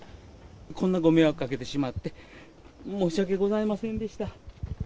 こんなご迷惑をおかけしてしまって、申し訳ございませんでした。